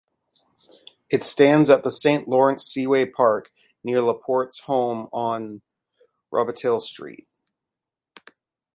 It stands at the Saint Lawrence Seaway Park, near Laporte's home on Robitaille Street.